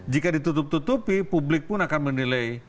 jika ditutup tutupi publik pun akan menilai